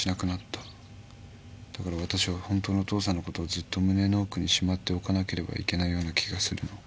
「だから私は本当のお父さんのことをずっと胸の奥にしまっておかなければいけないような気がするの」